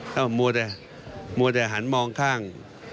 หมวดอย่างหมวดอย่างหันมองข้าง